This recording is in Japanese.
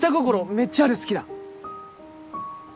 めっちゃある「好き」だ。